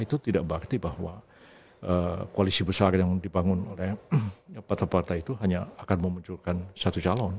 itu tidak berarti bahwa koalisi besar yang dibangun oleh partai partai itu hanya akan memunculkan satu calon